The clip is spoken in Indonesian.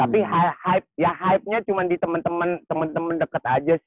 tapi hype ya hypenya cuma di temen temen deket aja sih